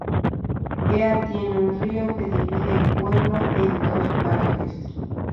Ea tiene un río que divide el pueblo en dos partes.